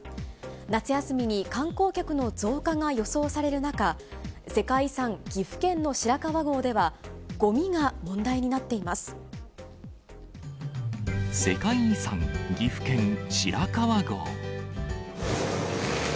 夏休みに観光客の増加が予想される中、世界遺産、岐阜県の白川郷では、世界遺産、岐阜県白川郷。